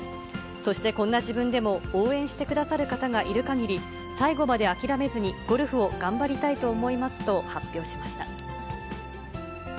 そしてこんな自分でも、応援してくださる方がいるかぎり、最後まで諦めずに、ゴルフを頑張りたいと思いますと発表しました。